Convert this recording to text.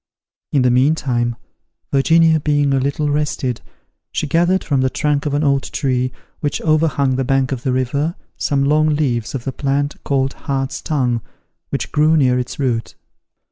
In the meantime, Virginia being a little rested, she gathered from the trunk of an old tree, which overhung the bank of the river, some long leaves of the plant called hart's tongue, which grew near its root.